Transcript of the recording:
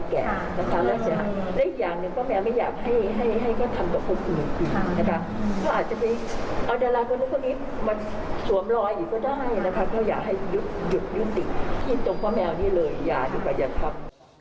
กินตรงป้าแมวนี่เลยอย่าดูกว่าอย่างครับ